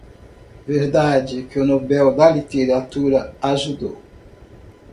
Verdade que o Nobel da Literatura ajudou